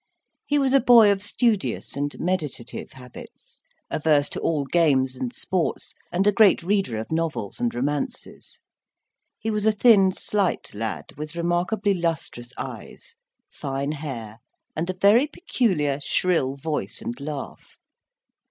He was a boy of studious and meditative habits, averse to all games and sports, and a great reader of novels and romances. He was a thin, slight lad, with remarkably lustrous eyes, fine hair, and a very peculiar shrill voice and laugh.